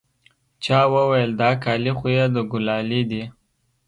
چا وويل دا کالي خو يې د ګلالي دي.